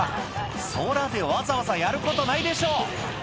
空でわざわざやることないでしょ